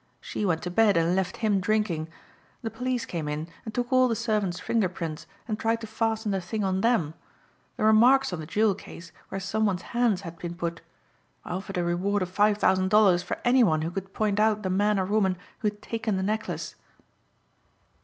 She went to bed and left him drinking. The police came in and took all the servants' finger prints and tried to fasten the thing on them. There were marks on the jewel case where some one's hands had been put. I offered a reward of five thousand dollars for any one who could point out the man or woman who had taken the necklace."